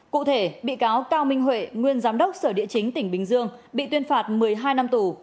cụ thể bị cáo cao minh huệ nguyên giám đốc sở địa chính tỉnh bình dương bị tuyên phạt một mươi hai năm tù